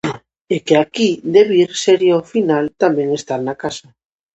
E que aquí, de vir, sería ao final tamén estar na casa.